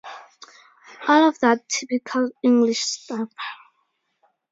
All of that typical English stuff.